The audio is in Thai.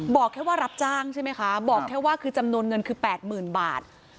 บอกแค่ว่ารับจ้างใช่ไหมคะบอกแค่ว่าคือจำนวนเงินคือ๘๐๐๐บาท